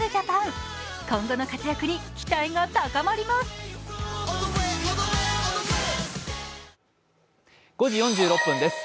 今後の活躍に期待が高まります。